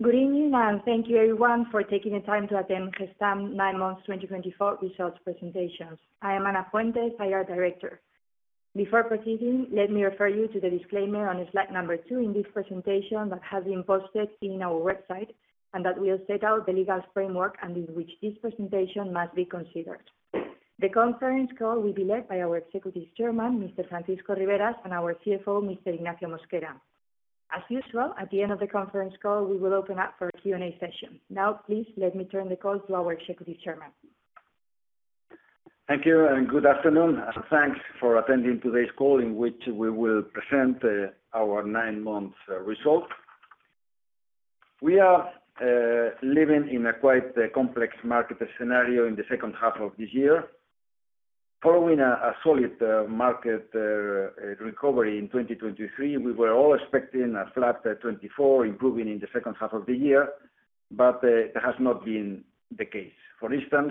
Good evening and thank you, everyone, for taking the time to attend Gestamp 2024 Results Presentations. I am Ana Fuentes, IR Director. Before proceeding, let me refer you to the disclaimer on slide number two in this presentation that has been posted on our website and that will set out the legal framework under which this presentation must be considered. The Conference Call will be led by our Executive Chairman, Mr. Francisco Riberas, and our CFO, Mr. Ignacio Mosquera. As usual, at the end of the Conference Call, we will open up for a Q&A session. Now, please let me turn the call to our Executive Chairman. Thank you and good afternoon, and thanks for attending today's call in which we will present our nine-month results. We are living in a quite complex market scenario in the second half of this year. Following a solid market recovery in 2023, we were all expecting a flat 2024, improving in the second half of the year, but that has not been the case. For instance,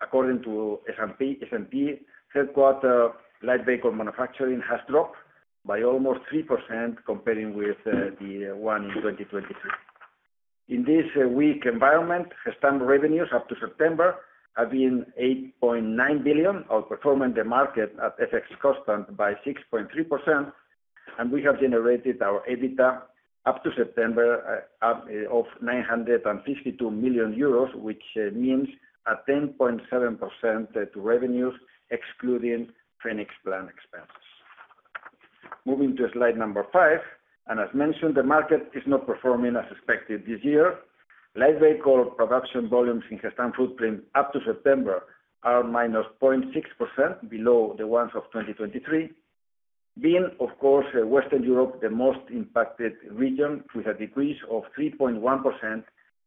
according to S&P, third-quarter light vehicle manufacturing has dropped by almost 3% compared with the one in 2023. In this weak environment, Gestamp revenues up to September have been 8.9 billion, outperforming the market at FX constant by 6.3%, and we have generated our EBITDA up to September of 952 million euros, which means a 10.7% to revenues, excluding Phoenix Plan expenses. Moving to slide number five, and as mentioned, the market is not performing as expected this year. Light vehicle production volumes in Gestamp footprint up to September are minus 0.6% below the ones of 2023, being, of course, Western Europe the most impacted region, with a decrease of 3.1%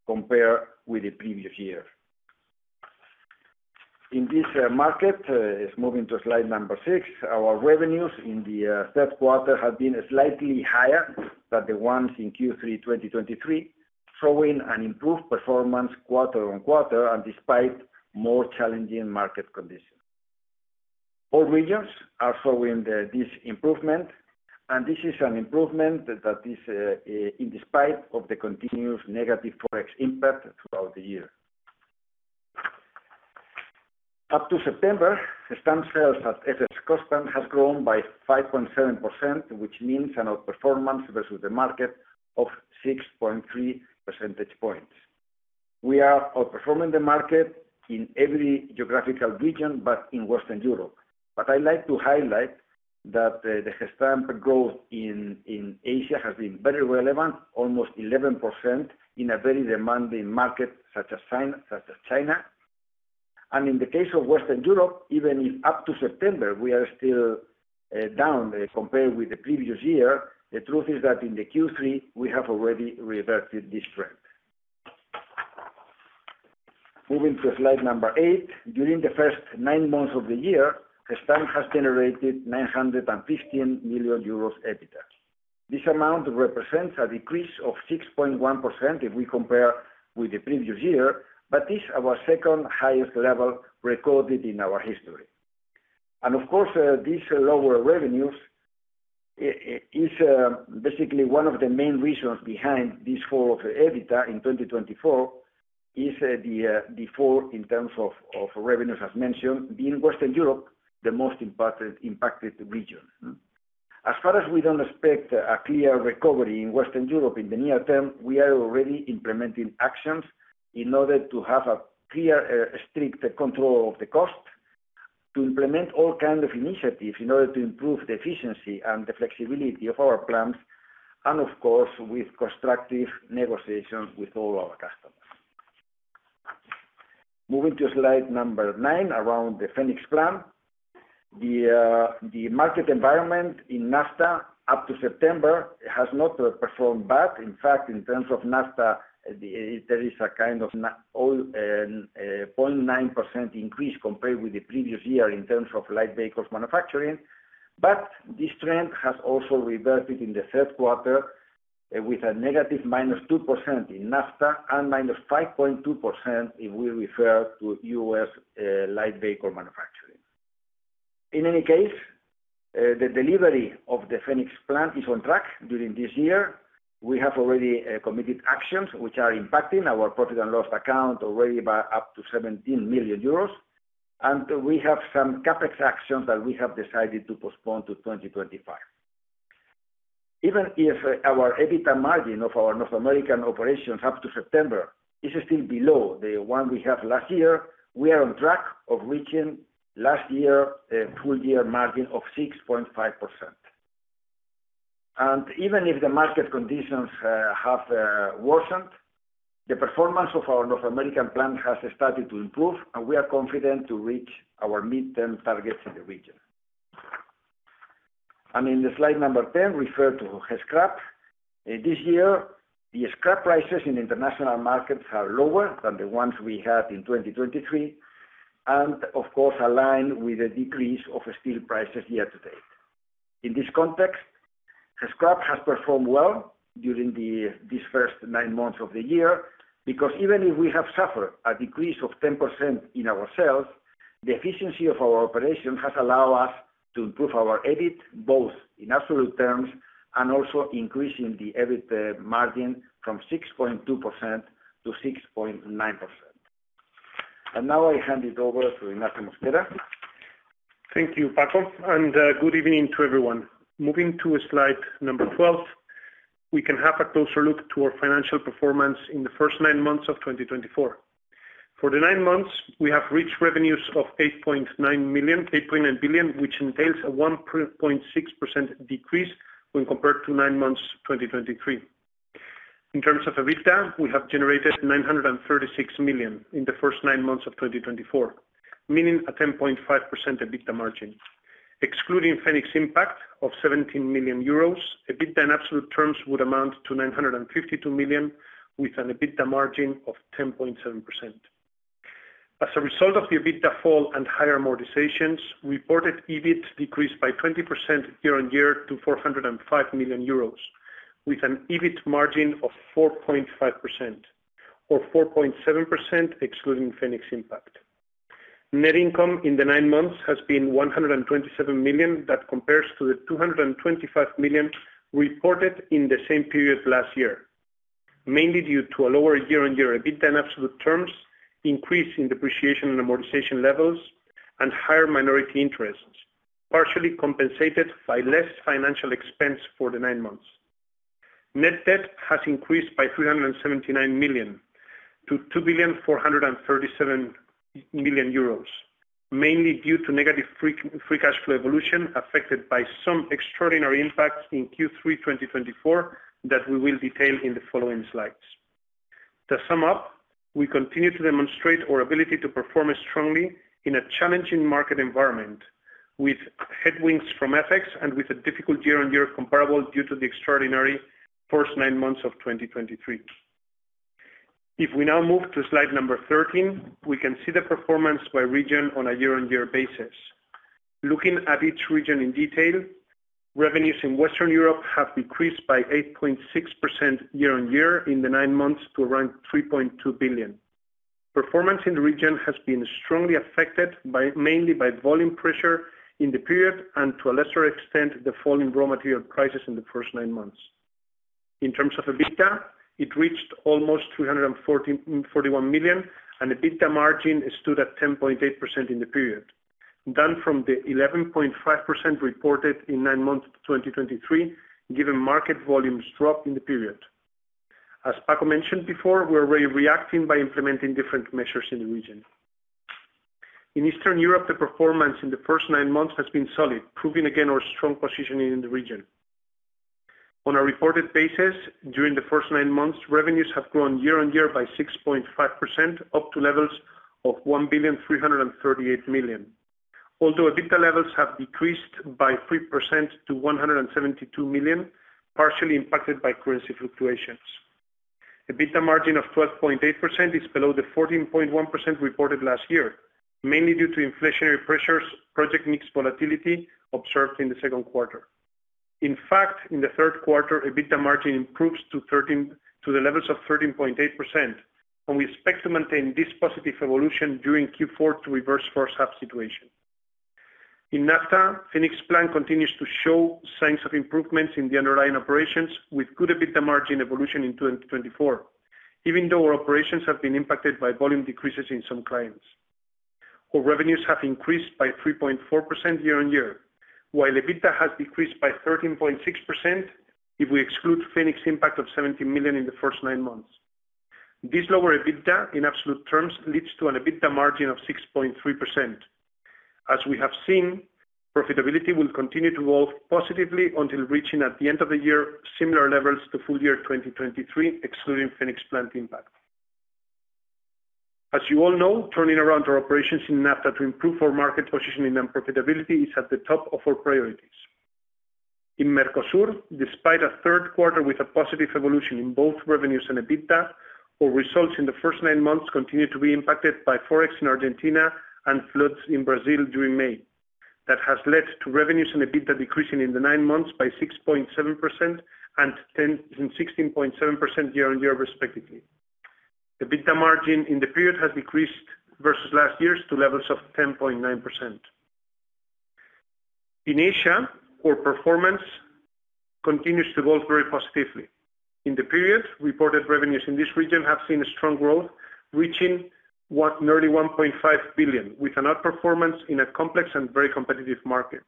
compared with the previous year. In this market, moving to slide number six, our revenues in the third quarter have been slightly higher than the ones in Q3 2023, showing an improved performance quarter on quarter and despite more challenging market conditions. All regions are showing this improvement, and this is an improvement that is in spite of the continuous negative forex impact throughout the year. Up to September, Gestamp sales at FX constant has grown by 5.7%, which means an outperformance versus the market of 6.3 percentage points. We are outperforming the market in every geographical region, but in Western Europe. I'd like to highlight that the Gestamp growth in Asia has been very relevant, almost 11% in a very demanding market such as China. In the case of Western Europe, even up to September, we are still down compared with the previous year. The truth is that in Q3, we have already reverted this trend. Moving to slide number eight, during the first nine months of the year, Gestamp has generated 915 million euros EBITDA. This amount represents a decrease of 6.1% if we compare with the previous year, but it's our second highest level recorded in our history. Of course, these lower revenues are basically one of the main reasons behind this fall of EBITDA in 2024, is the fall in terms of revenues, as mentioned, being Western Europe the most impacted region. As far as we don't expect a clear recovery in Western Europe in the near term, we are already implementing actions in order to have a clear, strict control of the cost, to implement all kinds of initiatives in order to improve the efficiency and the flexibility of our plans, and of course, with constructive negotiations with all our customers. Moving to slide number nine around the Phoenix Plan, the market environment in NAFTA up to September has not performed bad. In fact, in terms of NAFTA, there is a kind of 0.9% increase compared with the previous year in terms of light vehicles manufacturing, but this trend has also reverted in the third quarter with a negative minus 2% in NAFTA and minus 5.2% if we refer to U.S. light vehicle manufacturing. In any case, the delivery of the Phoenix Plan is on track during this year. We have already committed actions which are impacting our profit and loss account already by up to 17 million euros, and we have some CapEx actions that we have decided to postpone to 2025. Even if our EBITDA margin of our North American operations up to September is still below the one we had last year, we are on track of reaching last year's full year margin of 6.5%. Even if the market conditions have worsened, the performance of our North American plan has started to improve, and we are confident to reach our mid-term targets in the region. In slide number 10, refer to Scrap. This year, the Scrap prices in international markets are lower than the ones we had in 2023, and of course, align with the decrease of steel prices year to date. In this context, Scrap has performed well during these first nine months of the year because even if we have suffered a decrease of 10% in our sales, the efficiency of our operation has allowed us to improve our EBIT both in absolute terms and also increasing the EBITDA margin from 6.2%-6.9%, and now I hand it over to Ignacio Mosquera. Thank you, Paco, and good evening to everyone. Moving to slide number 12, we can have a closer look to our financial performance in the first nine months of 2024. For the nine months, we have reached revenues of 8.9 billion, which entails a 1.6% decrease when compared to nine months 2023. In terms of EBITDA, we have generated 936 million in the first nine months of 2024, meaning a 10.5% EBITDA margin. Excluding Phoenix impact of 17 million euros, EBITDA in absolute terms would amount to 952 million with an EBITDA margin of 10.7%. As a result of the EBITDA fall and higher amortizations, reported EBIT decreased by 20% year on year to 405 million euros, with an EBIT margin of 4.5% or 4.7% excluding Phoenix impact. Net income in the nine months has been 127 million, that compares to the 225 million reported in the same period last year, mainly due to a lower year-on-year EBITDA in absolute terms, increase in depreciation and amortization levels, and higher minority interests, partially compensated by less financial expense for the nine months. Net debt has increased by 379 million to 2,437 million euros, mainly due to negative free cash flow evolution affected by some extraordinary impacts in Q3 2024 that we will detail in the following slides. To sum up, we continue to demonstrate our ability to perform strongly in a challenging market environment with headwinds from FX and with a difficult year-on-year comparable due to the extraordinary first nine months of 2023. If we now move to slide number 13, we can see the performance by region on a year-on-year basis. Looking at each region in detail, revenues in Western Europe have decreased by 8.6% year on year in the nine months to around 3.2 billion. Performance in the region has been strongly affected mainly by volume pressure in the period and, to a lesser extent, the fall in raw material prices in the first nine months. In terms of EBITDA, it reached almost 341 million, and EBITDA margin stood at 10.8% in the period, down from the 11.5% reported in nine months 2023, given market volumes dropped in the period. As Paco mentioned before, we are already reacting by implementing different measures in the region. In Eastern Europe, the performance in the first nine months has been solid, proving again our strong position in the region. On a reported basis, during the first nine months, revenues have grown year on year by 6.5%, up to levels of 1,338 million, although EBITDA levels have decreased by 3% to 172 million, partially impacted by currency fluctuations. EBITDA margin of 12.8% is below the 14.1% reported last year, mainly due to inflationary pressures, project mix volatility observed in the second quarter. In fact, in the third quarter, EBITDA margin improves to the levels of 13.8%, and we expect to maintain this positive evolution during Q4 to reverse forex situation. In NAFTA, Phoenix Plan continues to show signs of improvements in the underlying operations with good EBITDA margin evolution in 2024, even though our operations have been impacted by volume decreases in some clients. Our revenues have increased by 3.4% year-on-year, while EBITDA has decreased by 13.6% if we exclude Phoenix impact of 17 million in the first nine months. This lower EBITDA in absolute terms leads to an EBITDA margin of 6.3%. As we have seen, profitability will continue to evolve positively until reaching at the end of the year similar levels to full year 2023, excluding Phoenix Plan impact. As you all know, turning around our operations in NAFTA to improve our market positioning and profitability is at the top of our priorities. In Mercosur, despite a third quarter with a positive evolution in both revenues and EBITDA, our results in the first nine months continue to be impacted by forex in Argentina and floods in Brazil during May. That has led to revenues and EBITDA decreasing in the nine months by 6.7% and 16.7% year-on-year, respectively. EBITDA margin in the period has decreased versus last year to levels of 10.9%. In Asia, our performance continues to evolve very positively. In the period, reported revenues in this region have seen a strong growth, reaching nearly €1.5 billion, with an outperformance in a complex and very competitive market.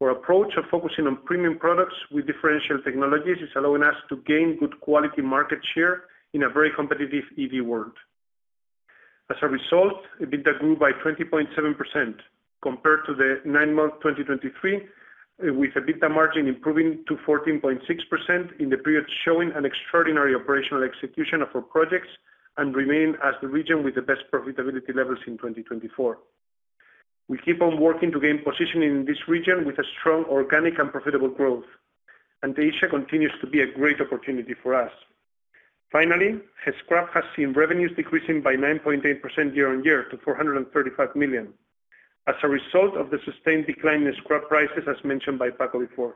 Our approach of focusing on premium products with differential technologies is allowing us to gain good quality market share in a very competitive EV world. As a result, EBITDA grew by 20.7% compared to the nine months 2023, with EBITDA margin improving to 14.6% in the period, showing an extraordinary operational execution of our projects and remaining as the region with the best profitability levels in 2024. We keep on working to gain position in this region with a strong organic and profitable growth, and Asia continues to be a great opportunity for us. Finally, Scrap has seen revenues decreasing by 9.8% year on year to 435 million as a result of the sustained decline in Scrap prices, as mentioned by Paco before.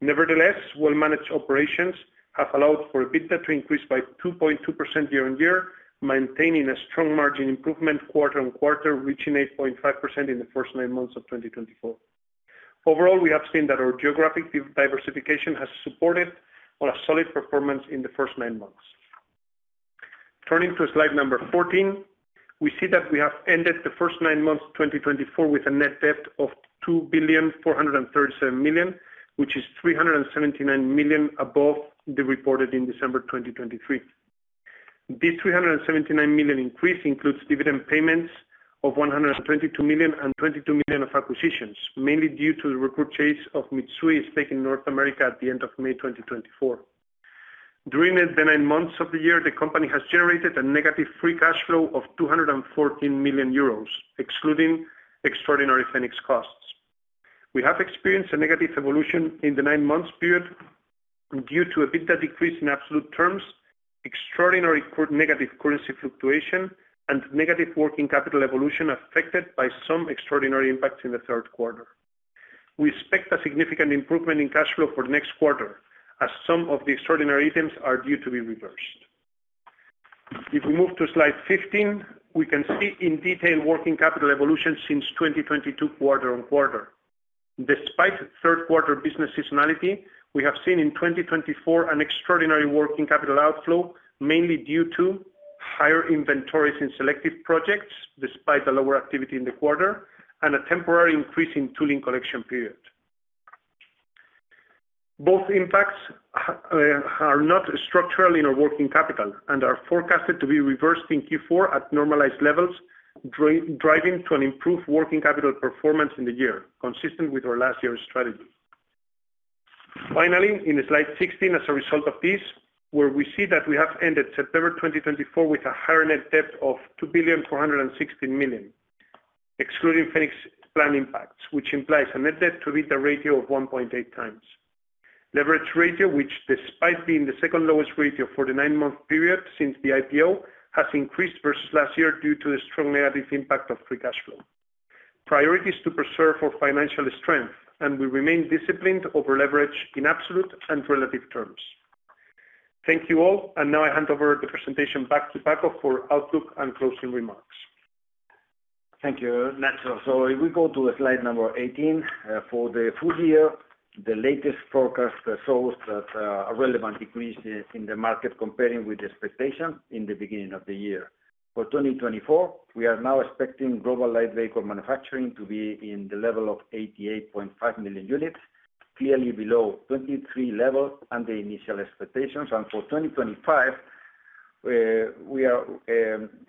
Nevertheless, well-managed operations have allowed for EBITDA to increase by 2.2% year on year, maintaining a strong margin improvement quarter on quarter, reaching 8.5% in the first nine months of 2024. Overall, we have seen that our geographic diversification has supported our solid performance in the first nine months. Turning to slide number 14, we see that we have ended the first nine months 2024 with a net debt of 2,437 million, which is 379 million above the reported in December 2023. This 379 million increase includes dividend payments of 122 million and 22 million of acquisitions, mainly due to the repurchase of Mitsui stake in North America at the end of May 2024. During the nine months of the year, the company has generated a negative free cash flow of 214 million euros, excluding extraordinary Phoenix costs. We have experienced a negative evolution in the nine months period due to EBITDA decrease in absolute terms, extraordinary negative currency fluctuation, and negative working capital evolution affected by some extraordinary impacts in the third quarter. We expect a significant improvement in cash flow for the next quarter, as some of the extraordinary items are due to be reversed. If we move to slide 15, we can see in detail working capital evolution since 2022 quarter on quarter. Despite third quarter business seasonality, we have seen in 2024 an extraordinary working capital outflow, mainly due to higher inventories in selective projects despite the lower activity in the quarter and a temporary increase in tooling collection period. Both impacts are not structural in our working capital and are forecasted to be reversed in Q4 at normalized levels, driving to an improved working capital performance in the year, consistent with our last year's strategy. Finally, in slide 16, as a result of this, where we see that we have ended September 2024 with a higher net debt of 2,416 million, excluding Phoenix Plan impacts, which implies a net debt-to-EBITDA ratio of 1.8 times, leverage ratio, which, despite being the second lowest ratio for the nine-month period since the IPO, has increased versus last year due to the strong negative impact of free cash flow. Priority is to preserve our financial strength, and we remain disciplined over leverage in absolute and relative terms. Thank you all, and now I hand over the presentation back to Paco for outlook and closing remarks. Thank you, Nacho. So if we go to slide number 18 for the full year, the latest forecast shows that a relevant decrease in the market comparing with expectations in the beginning of the year. For 2024, we are now expecting global light vehicle manufacturing to be in the level of 88.5 million units, clearly below 23 levels and the initial expectations. And for 2025,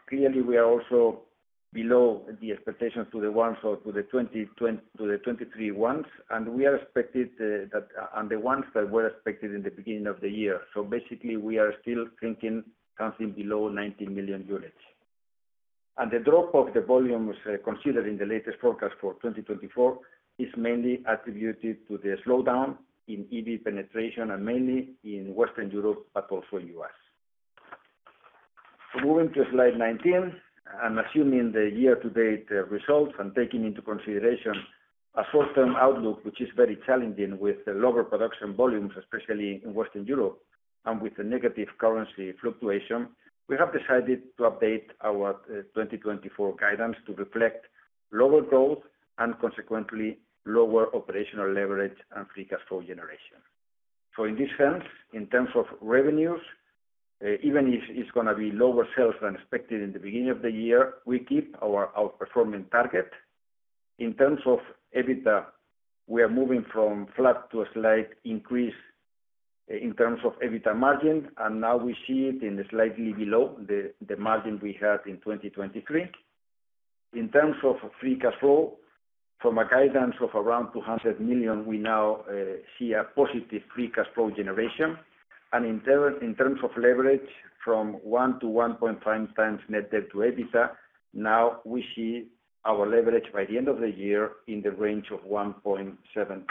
clearly we are also below the expectations to the ones or to the 23 ones, and we are expected that and the ones that were expected in the beginning of the year. So basically, we are still thinking something below 19 million units. And the drop of the volumes considered in the latest forecast for 2024 is mainly attributed to the slowdown in EV penetration and mainly in Western Europe, but also in the U.S. Moving to slide 19, I'm assuming the year-to-date results and taking into consideration a short-term outlook, which is very challenging with the lower production volumes, especially in Western Europe and with the negative currency fluctuation. We have decided to update our 2024 guidance to reflect lower growth and consequently lower operational leverage and free cash flow generation. So in this sense, in terms of revenues, even if it's going to be lower sales than expected in the beginning of the year, we keep our outperforming target. In terms of EBITDA, we are moving from flat to a slight increase in terms of EBITDA margin, and now we see it in slightly below the margin we had in 2023. In terms of free cash flow, from a guidance of around 200 million, we now see a positive free cash flow generation. In terms of leverage, from one to 1.5 times net debt to EBITDA, now we see our leverage by the end of the year in the range of 1.7 times.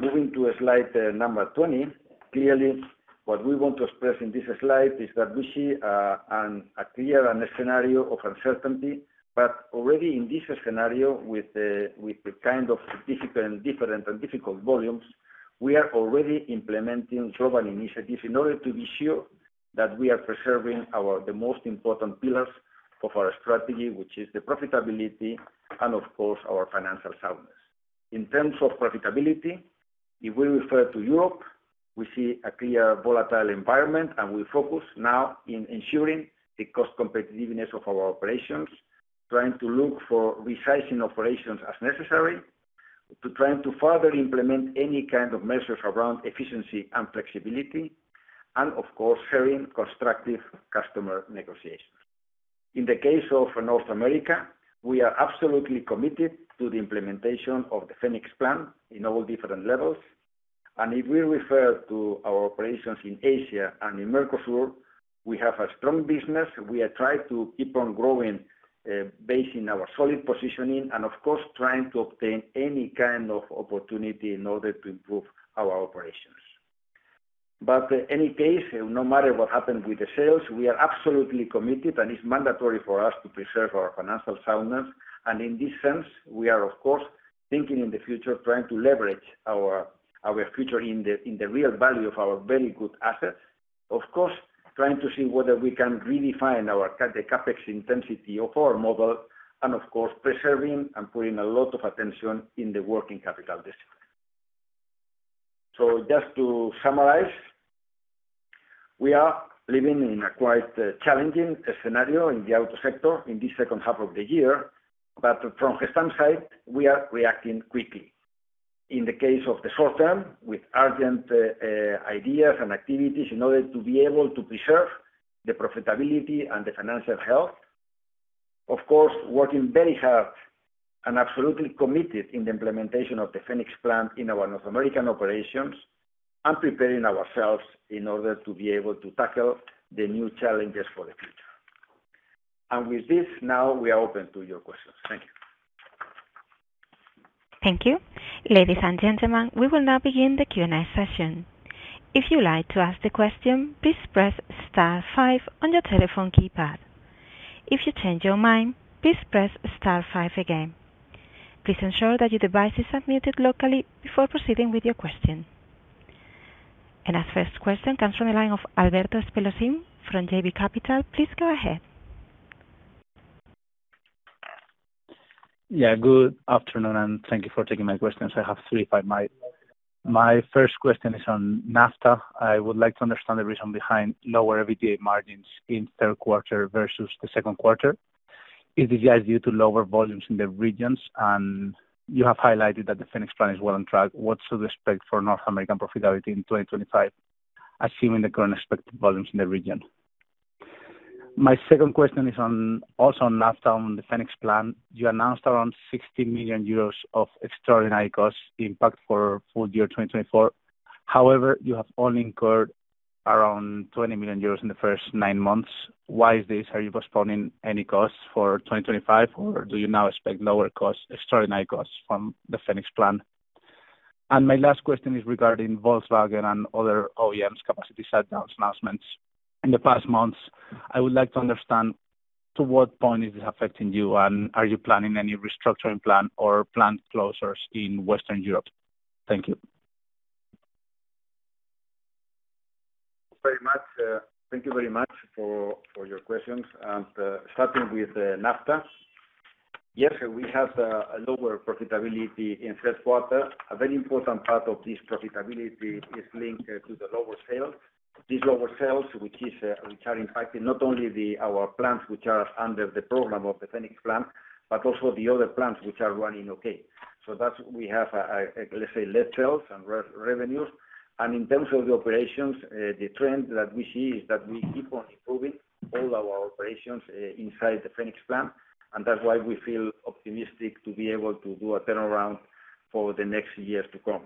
Moving to slide number 20, clearly what we want to express in this slide is that we see a clear scenario of uncertainty, but already in this scenario, with the kind of difficult and different volumes, we are already implementing cutback initiatives in order to be sure that we are preserving the most important pillars of our strategy, which is the profitability and, of course, our financial soundness. In terms of profitability, if we refer to Europe, we see a clear volatile environment, and we focus now in ensuring the cost competitiveness of our operations, trying to look for resizing operations as necessary, to trying to further implement any kind of measures around efficiency and flexibility, and, of course, having constructive customer negotiations. In the case of North America, we are absolutely committed to the implementation of the Phoenix Plan in all different levels. And if we refer to our operations in Asia and in Mercosur, we have a strong business. We have tried to keep on growing based in our solid positioning and, of course, trying to obtain any kind of opportunity in order to improve our operations. But in any case, no matter what happens with the sales, we are absolutely committed, and it's mandatory for us to preserve our financial soundness. In this sense, we are, of course, thinking in the future, trying to leverage our future in the real value of our very good assets, of course, trying to see whether we can redefine the CapEx intensity of our model and, of course, preserving and putting a lot of attention in the working capital decision. Just to summarize, we are living in a quite challenging scenario in the auto sector in this second half of the year, but from Gestamp's side, we are reacting quickly. In the case of the short term, with urgent ideas and activities in order to be able to preserve the profitability and the financial health, of course, working very hard and absolutely committed in the implementation of the Phoenix Plan in our North American operations and preparing ourselves in order to be able to tackle the new challenges for the future. With this, now we are open to your questions. Thank you. Thank you. Ladies and gentlemen, we will now begin the Q&A session. If you'd like to ask a question, please press star five on your telephone keypad. If you change your mind, please press star five again. Please ensure that your device is unmuted locally before proceeding with your question. And our first question comes from the line of Alberto Espelosin from JB Capital. Please go ahead. Yeah, good afternoon, and thank you for taking my questions. I have three or five questions. My first question is on NAFTA. I would like to understand the reason behind lower EBITDA margins in third quarter versus the second quarter. Is it just due to lower volumes in the region? And you have highlighted that the Phoenix Plan is well on track. What should we expect for North American profitability in 2025, assuming the current expected volumes in the region? My second question is also on NAFTA, on the Phoenix Plan. You announced around 60 million euros of extraordinary cost impact for full year 2024. However, you have only incurred around 20 million euros in the first nine months. Why is this? Are you postponing any costs for 2025, or do you now expect lower costs, extraordinary costs from the Phoenix Plan? My last question is regarding Volkswagen and other OEMs' capacity shutdowns announcements in the past months. I would like to understand to what point is this affecting you, and are you planning any restructuring plan or plant closures in Western Europe? Thank you. Thank you very much. Thank you very much for your questions, and starting with NAFTA, yes, we have a lower profitability in third quarter. A very important part of this profitability is linked to the lower sales. These lower sales, which are impacting not only our plants, which are under the program of the Phoenix Plan, but also the other plants which are running okay. So we have, let's say, less sales and revenues. And in terms of the operations, the trend that we see is that we keep on improving all our operations inside the Phoenix Plan, and that's why we feel optimistic to be able to do a turnaround for the next years to come.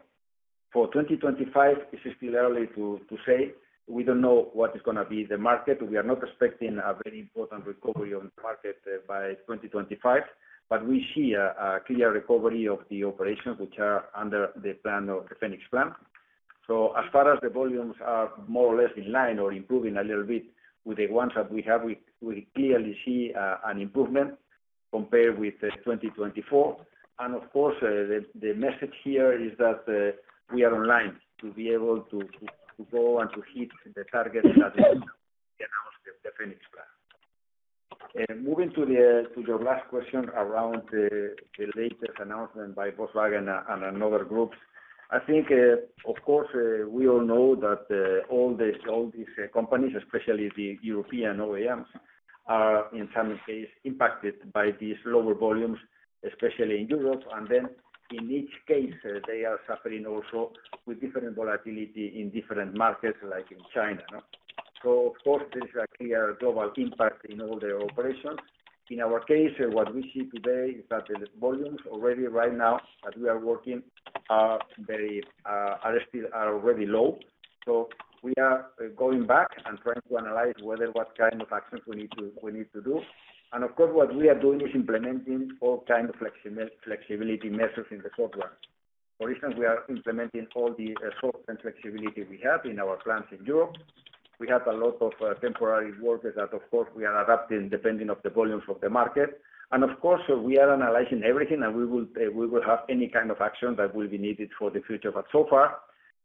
For 2025, it's still early to say. We don't know what is going to be the market. We are not expecting a very important recovery on the market by 2025, but we see a clear recovery of the operations which are under the plan of the Phoenix Plan, so as far as the volumes are more or less in line or improving a little bit with the ones that we have, we clearly see an improvement compared with 2024, and of course, the message here is that we are on line to be able to go and to hit the target that we announced with the Phoenix Plan. Moving to your last question around the latest announcement by Volkswagen and other groups, I think, of course, we all know that all these companies, especially the European OEMs, are in some cases impacted by these lower volumes, especially in Europe, and then in each case, they are suffering also with different volatility in different markets, like in China. Of course, there is a clear global impact in all their operations. In our case, what we see today is that the volumes already right now that we are working are already low. We are going back and trying to analyze whether what kind of actions we need to do. Of course, what we are doing is implementing all kinds of flexibility measures in the software. For instance, we are implementing all the social flexibility we have in our plants in Europe. We have a lot of temporary workers that, of course, we are adapting depending on the volumes of the market. Of course, we are analyzing everything, and we will have any kind of action that will be needed for the future. But so far,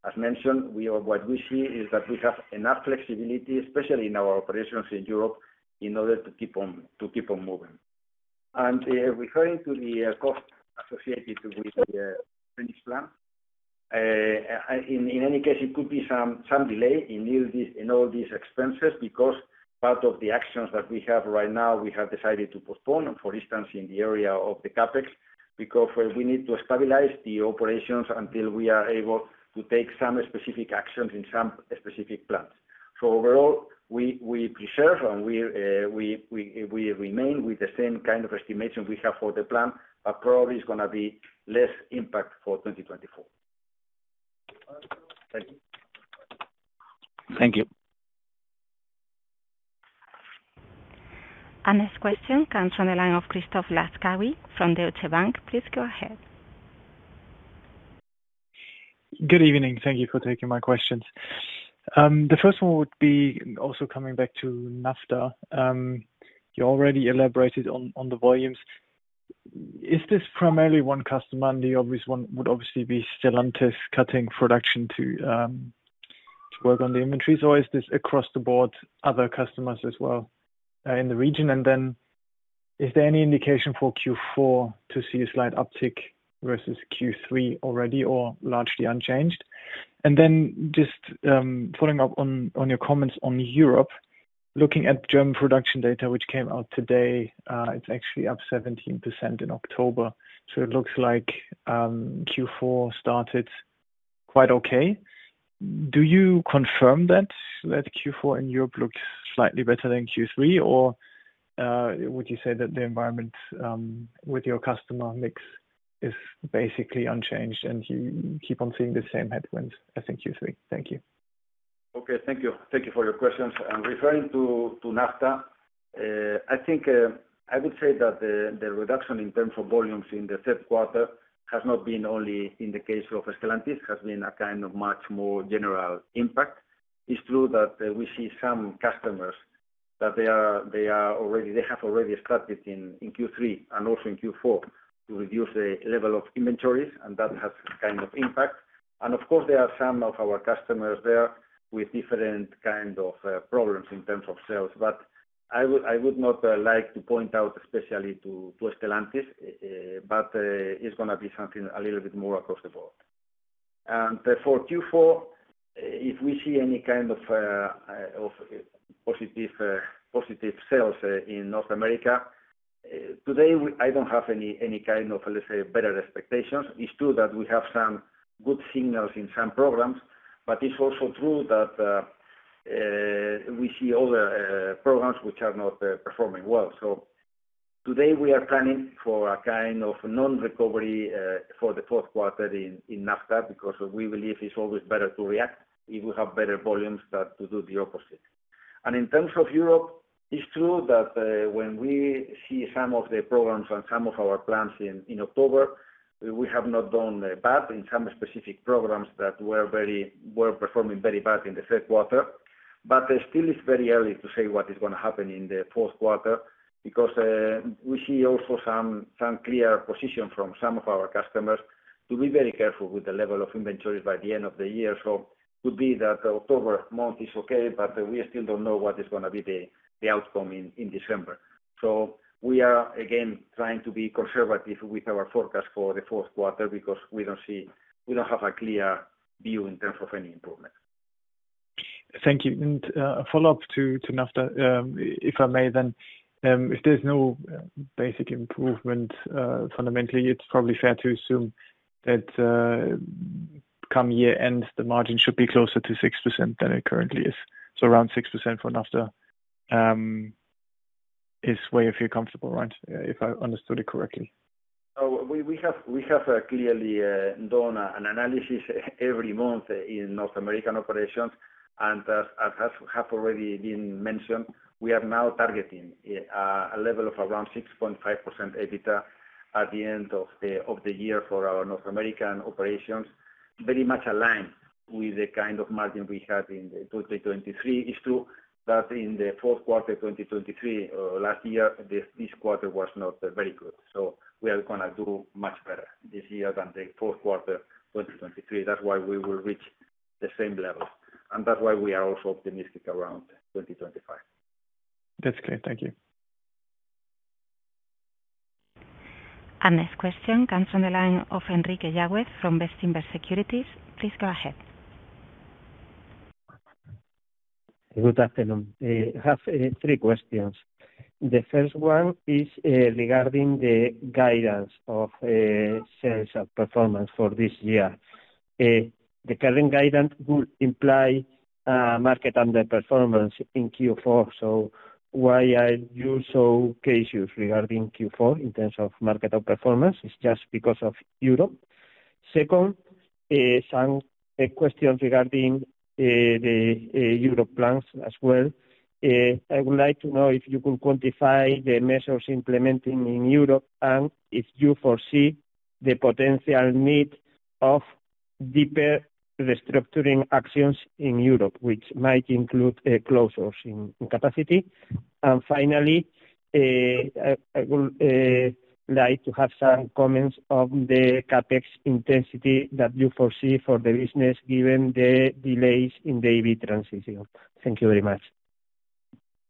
as mentioned, what we see is that we have enough flexibility, especially in our operations in Europe, in order to keep on moving. And referring to the cost associated with the Phoenix Plan, in any case, it could be some delay in all these expenses because part of the actions that we have right now, we have decided to postpone, for instance, in the area of the Capex, because we need to stabilize the operations until we are able to take some specific actions in some specific plants. So overall, we preserve and we remain with the same kind of estimation we have for the plan, but probably it's going to be less impact for 2024. Thank you. Thank you. This question comes from the line of Christoph Laskawi from Deutsche Bank. Please go ahead. Good evening. Thank you for taking my questions. The first one would be also coming back to NAFTA. You already elaborated on the volumes. Is this primarily one customer? And the obvious one would obviously be Stellantis cutting production to work on the inventories. Or is this across the board, other customers as well in the region? And then is there any indication for Q4 to see a slight uptick versus Q3 already or largely unchanged? And then just following up on your comments on Europe, looking at German production data, which came out today, it's actually up 17% in October. So it looks like Q4 started quite okay. Do you confirm that Q4 in Europe looks slightly better than Q3, or would you say that the environment with your customer mix is basically unchanged and you keep on seeing the same headwinds as in Q3? Thank you. Okay. Thank you. Thank you for your questions. And referring to NAFTA, I think I would say that the reduction in terms of volumes in the third quarter has not been only in the case of Stellantis. It has been a kind of much more general impact. It's true that we see some customers that they have already started in Q3 and also in Q4 to reduce the level of inventories, and that has a kind of impact. And of course, there are some of our customers there with different kinds of problems in terms of sales. But I would not like to point out especially to Stellantis, but it's going to be something a little bit more across the board. And for Q4, if we see any kind of positive sales in North America, today, I don't have any kind of, let's say, better expectations. It's true that we have some good signals in some programs, but it's also true that we see other programs which are not performing well. So today, we are planning for a kind of non-recovery for the fourth quarter in NAFTA because we believe it's always better to react if we have better volumes than to do the opposite. And in terms of Europe, it's true that when we see some of the programs and some of our plants in October, we have not done bad in some specific programs that were performing very bad in the third quarter. But still, it's very early to say what is going to happen in the fourth quarter because we see also some clear positions from some of our customers to be very careful with the level of inventory by the end of the year. So it could be that October month is okay, but we still don't know what is going to be the outcome in December. So we are, again, trying to be conservative with our forecast for the fourth quarter because we don't have a clear view in terms of any improvement. Thank you. And a follow-up to NAFTA, if I may, then if there's no basic improvement fundamentally, it's probably fair to assume that come year-end, the margin should be closer to 6% than it currently is. So around 6% for NAFTA is where you feel comfortable, right, if I understood it correctly? So we have clearly done an analysis every month in North American operations. And as has already been mentioned, we are now targeting a level of around 6.5% EBITDA at the end of the year for our North American operations, very much aligned with the kind of margin we had in 2023. It's true that in the fourth quarter of 2023 last year, this quarter was not very good. So we are going to do much better this year than the fourth quarter of 2023. That's why we will reach the same level. And that's why we are also optimistic around 2025. That's clear. Thank you. This question comes from the line of Enrique Yagüez from Bestinver Securities. Please go ahead. Good afternoon. I have three questions. The first one is regarding the guidance of sales and performance for this year. The current guidance would imply market underperformance in Q4. So why are there so few cases regarding Q4 in terms of market outperformance? It's just because of Europe. Second, some questions regarding the Europe plans as well. I would like to know if you could quantify the measures implemented in Europe and if you foresee the potential need of deeper restructuring actions in Europe, which might include closures in capacity. And finally, I would like to have some comments on the CapEx intensity that you foresee for the business given the delays in the EV transition. Thank you very much.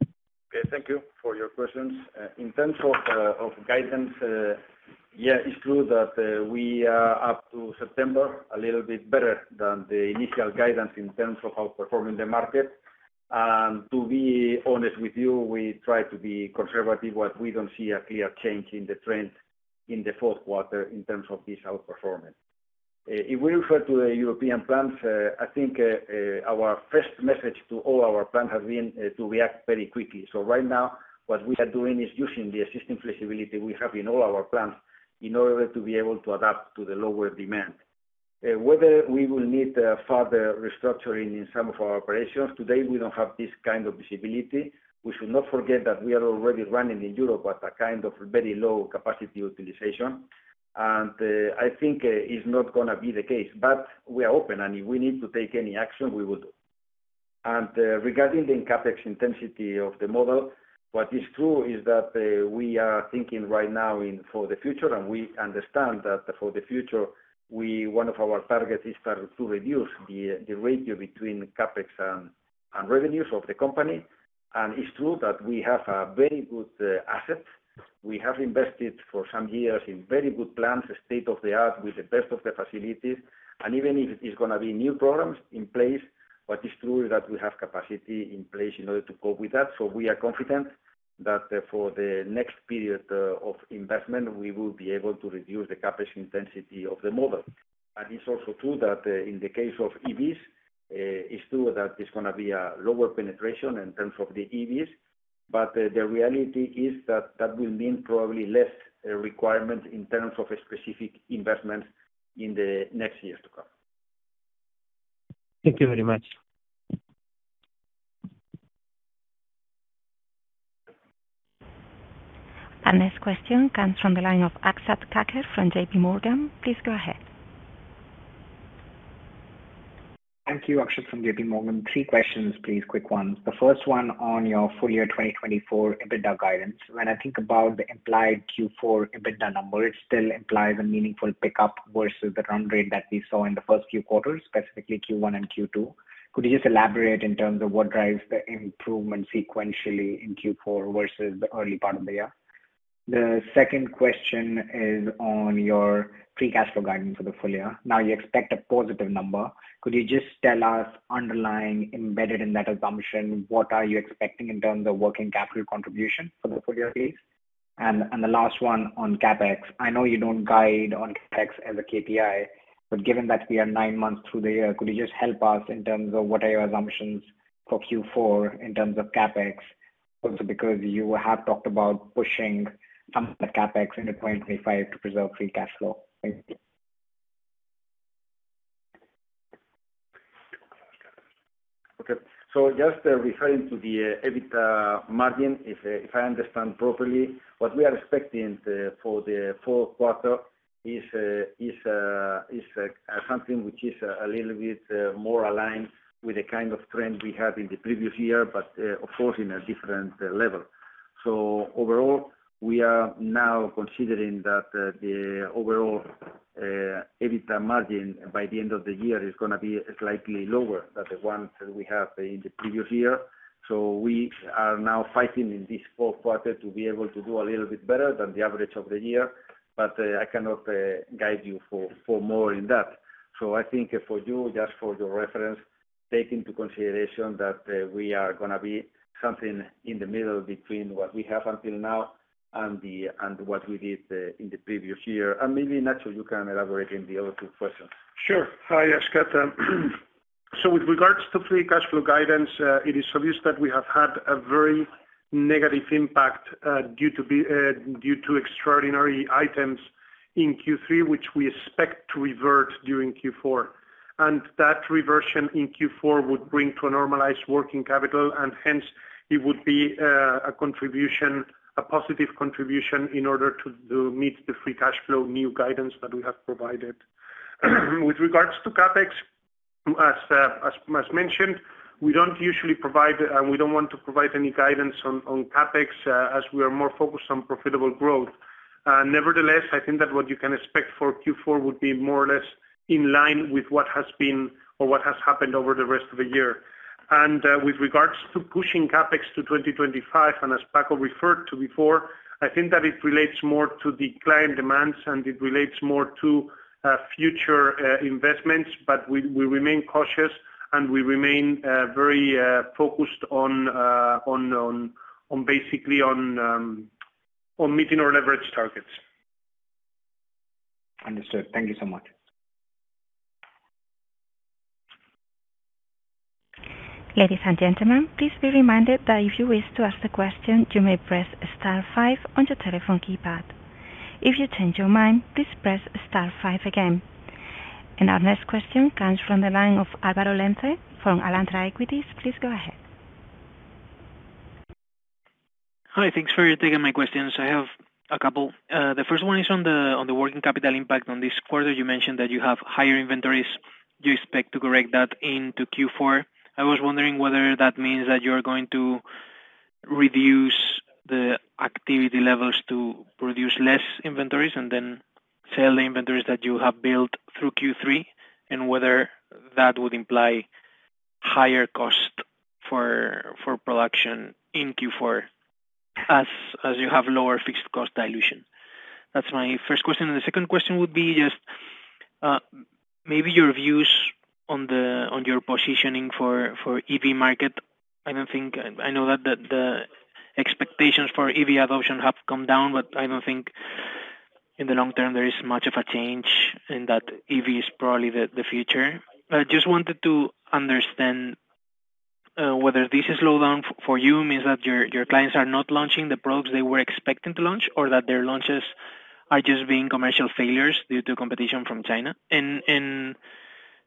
Okay. Thank you for your questions. In terms of guidance, yeah, it's true that we are up to September a little bit better than the initial guidance in terms of outperforming the market, and to be honest with you, we try to be conservative, but we don't see a clear change in the trend in the fourth quarter in terms of this out performance. If we refer to the European plants, I think our first message to all our plants has been to react very quickly, so right now, what we are doing is using the existing flexibility we have in all our plants in order to be able to adapt to the lower demand. Whether we will need further restructuring in some of our operations, today, we don't have this kind of visibility. We should not forget that we are already running in Europe at a kind of very low capacity utilization. And I think it's not going to be the case. But we are open, and if we need to take any action, we will do. And regarding the CapEx intensity of the model, what is true is that we are thinking right now for the future, and we understand that for the future, one of our targets is to reduce the ratio between CapEx and revenues of the company. And it's true that we have a very good asset. We have invested for some years in very good plans, state-of-the-art with the best of the facilities. And even if there's going to be new programs in place, what is true is that we have capacity in place in order to cope with that. So we are confident that for the next period of investment, we will be able to reduce the CapEx intensity of the model. And it's also true that in the case of EVs, it's true that there's going to be a lower penetration in terms of the EVs. But the reality is that that will mean probably less requirement in terms of specific investments in the next years to come. Thank you very much. This question comes from the line of Akshat Kacker from J.P. Morgan. Please go ahead. Thank you, Akshat from J.P. Morgan. Three questions, please, quick ones. The first one on your full year 2024 EBITDA guidance. When I think about the implied Q4 EBITDA number, it still implies a meaningful pickup versus the run rate that we saw in the first few quarters, specifically Q1 and Q2. Could you just elaborate in terms of what drives the improvement sequentially in Q4 versus the early part of the year? The second question is on your free cash flow guidance for the full year. Now, you expect a positive number. Could you just tell us underlying embedded in that assumption, what are you expecting in terms of working capital contribution for the full year, please? And the last one on CapEx. I know you don't guide on CapEx as a KPI, but given that we are nine months through the year, could you just help us in terms of what are your assumptions for Q4 in terms of CapEx, also because you have talked about pushing some of the CapEx into 2025 to preserve free cash flow? Thank you. Okay. So just referring to the EBITDA margin, if I understand properly, what we are expecting for the fourth quarter is something which is a little bit more aligned with the kind of trend we had in the previous year, but of course, in a different level. So overall, we are now considering that the overall EBITDA margin by the end of the year is going to be slightly lower than the one that we had in the previous year. So we are now fighting in this fourth quarter to be able to do a little bit better than the average of the year. But I cannot guide you for more in that. So I think for you, just for your reference, take into consideration that we are going to be something in the middle between what we have until now and what we did in the previous year. Maybe Nacho, you can elaborate on the other two questions. Sure. Hi, Akshat, so with regards to free cash flow guidance, it is obvious that we have had a very negative impact due to extraordinary items in Q3, which we expect to revert during Q4, and that reversion in Q4 would bring to a normalized working capital, and hence, it would be a positive contribution in order to meet the free cash flow new guidance that we have provided. With regards to CapEx, as mentioned, we don't usually provide and we don't want to provide any guidance on CapEx as we are more focused on profitable growth. Nevertheless, I think that what you can expect for Q4 would be more or less in line with what has been or what has happened over the rest of the year. With regards to pushing Capex to 2025, and as Paco referred to before, I think that it relates more to declined demands, and it relates more to future investments, but we remain cautious, and we remain very focused on basically on meeting our leverage targets. Understood. Thank you so much. Ladies and gentlemen, please be reminded that if you wish to ask a question, you may press star five on your telephone keypad. If you change your mind, please press star five again. And our next question comes from the line of Álvaro Lenze from Alantra Equities. Please go ahead. Hi. Thanks for taking my questions. I have a couple. The first one is on the working capital impact on this quarter. You mentioned that you have higher inventories. You expect to correct that into Q4. I was wondering whether that means that you are going to reduce the activity levels to produce less inventories and then sell the inventories that you have built through Q3, and whether that would imply higher cost for production in Q4 as you have lower fixed cost dilution. That's my first question. And the second question would be just maybe your views on your positioning for EV market. I know that the expectations for EV adoption have come down, but I don't think in the long term there is much of a change in that EV is probably the future. I just wanted to understand whether this slowdown for you means that your clients are not launching the products they were expecting to launch or that their launches are just being commercial failures due to competition from China.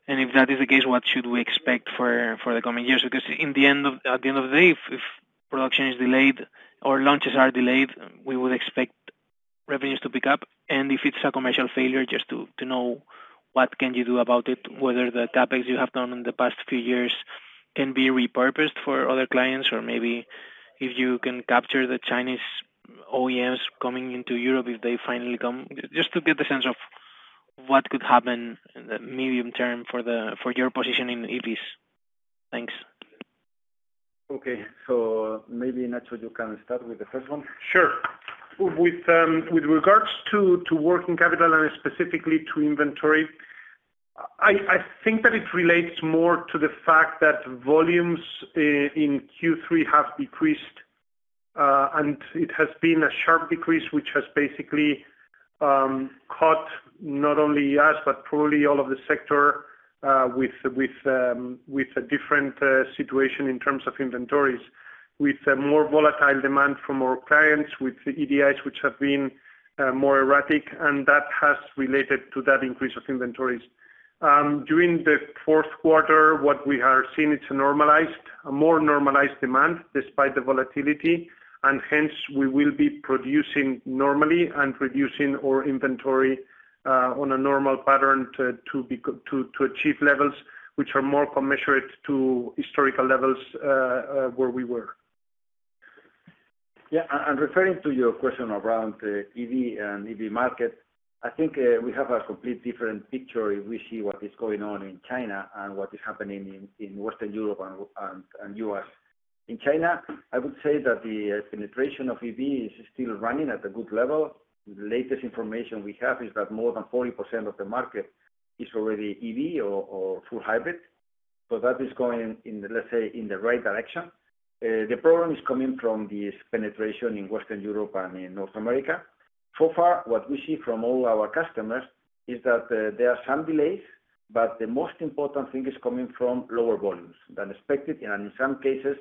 And if that is the case, what should we expect for the coming years? Because at the end of the day, if production is delayed or launches are delayed, we would expect revenues to pick up. And if it's a commercial failure, just to know what can you do about it, whether the CapEx you have done in the past few years can be repurposed for other clients, or maybe if you can capture the Chinese OEMs coming into Europe if they finally come, just to get the sense of what could happen in the medium term for your position in EVs. Thanks. Okay. So maybe Nacho, you can start with the first one. Sure. With regards to working capital and specifically to inventory, I think that it relates more to the fact that volumes in Q3 have decreased, and it has been a sharp decrease, which has basically caught not only us, but probably all of the sector with a different situation in terms of inventories, with more volatile demand from our clients, with EDIs which have been more erratic, and that has related to that increase of inventories. During the fourth quarter, what we have seen, it's a more normalized demand despite the volatility, and hence, we will be producing normally and reducing our inventory on a normal pattern to achieve levels which are more commensurate to historical levels where we were. Yeah. Referring to your question around EV and EV market, I think we have a completely different picture if we see what is going on in China and what is happening in Western Europe and US. In China, I would say that the penetration of EV is still running at a good level. The latest information we have is that more than 40% of the market is already EV or full hybrid. So that is going, let's say, in the right direction. The problem is coming from this penetration in Western Europe and in North America. So far, what we see from all our customers is that there are some delays, but the most important thing is coming from lower volumes than expected, and in some cases,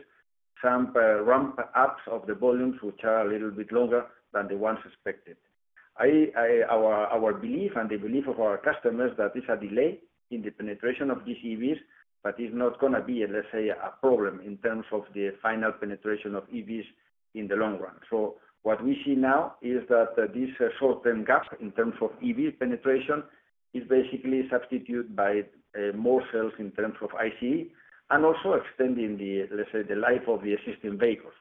some ramp-ups of the volumes which are a little bit longer than the ones expected. Our belief and the belief of our customers is that there's a delay in the penetration of these EVs, but it's not going to be, let's say, a problem in terms of the final penetration of EVs in the long run. So what we see now is that this short-term gap in terms of EV penetration is basically substituted by more sales in terms of ICE and also extending the, let's say, the life of the existing vehicles.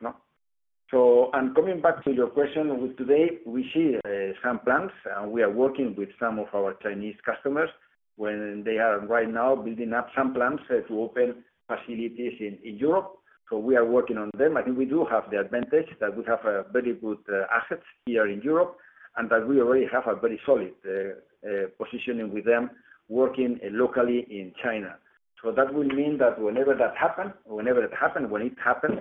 And coming back to your question, today, we see some plans, and we are working with some of our Chinese customers when they are right now building up some plans to open facilities in Europe. So we are working on them. I think we do have the advantage that we have very good assets here in Europe and that we already have a very solid positioning with them working locally in China. So that will mean that whenever that happens, when it happens,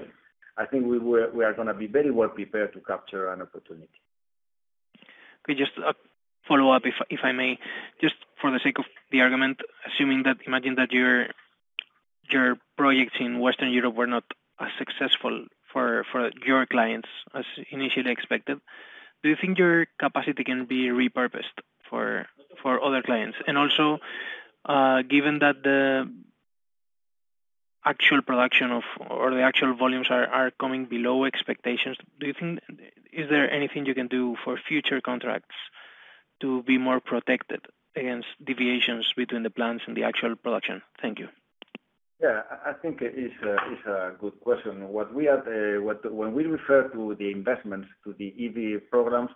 I think we are going to be very well prepared to capture an opportunity. Just a follow-up, if I may. Just for the sake of the argument, imagine that your projects in Western Europe were not as successful for your clients as initially expected. Do you think your capacity can be repurposed for other clients? And also, given that the actual production or the actual volumes are coming below expectations, is there anything you can do for future contracts to be more protected against deviations between the plants and the actual production? Thank you. Yeah. I think it is a good question. When we refer to the investments to the EV programs,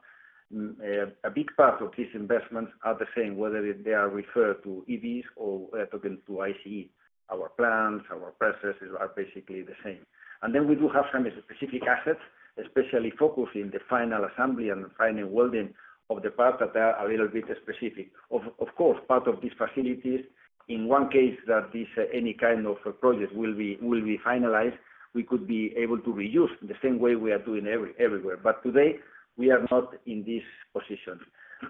a big part of these investments are the same, whether they are referred to EVs or talking to ICE. Our plants, our processes are basically the same. And then we do have some specific assets, especially focused in the final assembly and final welding of the parts that are a little bit specific. Of course, part of these facilities, in one case, that any kind of project will be finalized, we could be able to reuse the same way we are doing everywhere. But today, we are not in these positions.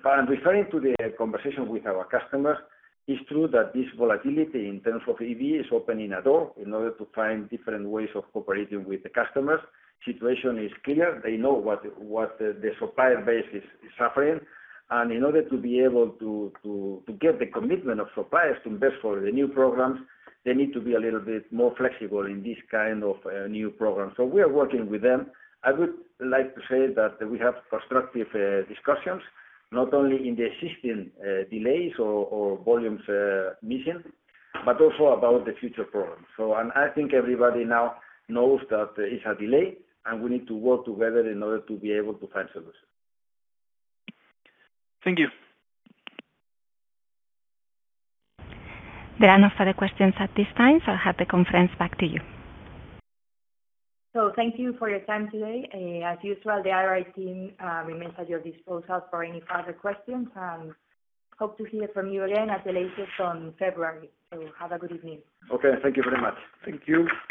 And referring to the conversation with our customers, it's true that this volatility in terms of EVs is opening a door in order to find different ways of cooperating with the customers. The situation is clear. They know what the supplier base is suffering. And in order to be able to get the commitment of suppliers to invest for the new programs, they need to be a little bit more flexible in this kind of new program. So we are working with them. I would like to say that we have constructive discussions, not only in the existing delays or volumes missing, but also about the future programs. And I think everybody now knows that it's a delay, and we need to work together in order to be able to find solutions. Thank you. There are no further questions at this time. So I'll hand the Conference back to you. Thank you for your time today. As usual, the IR team remains at your disposal for any further questions, and hope to hear from you again at the latest on February. Have a good evening. Okay. Thank you very much. Thank you.